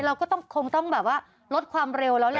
เราก็ต้องคงต้องแบบว่าลดความเร็วแล้วแหละ